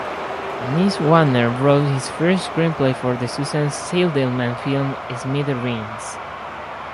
Nyswaner wrote his first screenplay for the Susan Seidelman film "Smithereens".